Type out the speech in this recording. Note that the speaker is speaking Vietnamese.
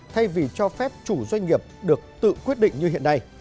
thay vì cho phép chủ doanh nghiệp được tự quyết định như hiện nay